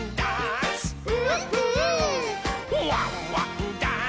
「ワンワンダンス！」